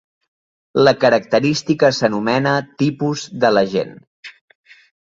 La característica s'anomena "tipus" de l'agent.